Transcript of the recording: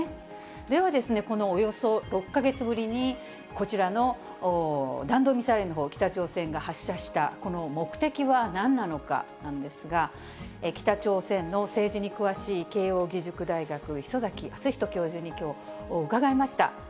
では、このおよそ６か月ぶりに、こちらの弾道ミサイルのほう、北朝鮮が発射した、この目的はなんなのかなんですが、北朝鮮の政治に詳しい、慶応義塾大学、礒崎敦仁教授にきょう、伺いました。